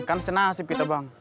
kan senasib kita bang